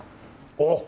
おっ！